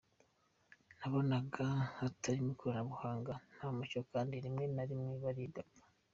Nabonaga hatarimo ikoranabuhanga, nta mucyo kandi rimwe na rimwe baribwaga ».